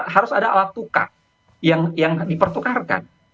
harus ada alat tukar yang dipertukarkan